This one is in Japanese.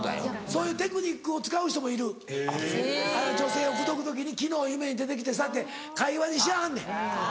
そういうテクニックを使う人もいる女性を口説く時に「昨日夢に出て来てさ」って会話にしはんねん。